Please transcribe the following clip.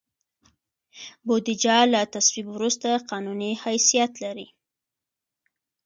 بودیجه له تصویب وروسته قانوني حیثیت لري.